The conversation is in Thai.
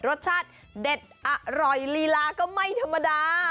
รสชาติเด็ดอร่อยลีลาก็ไม่ธรรมดา